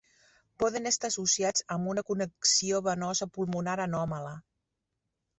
Poden estar associats amb una connexió venosa pulmonar anòmala.